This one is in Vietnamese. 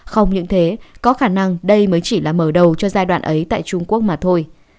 không những thế có khả năng đây mới chỉ là mở đầu cho giai đoạn ấy tại trung quốc mà thôi